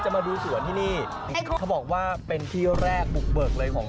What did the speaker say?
ไม่รู้